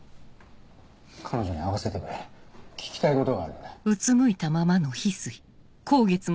彼女に会わせてくれ聞きたいことがあるんだ。